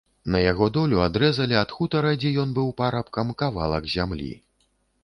На яго долю адрэзалі ад хутара, дзе ён быў парабкам, кавалак зямлі.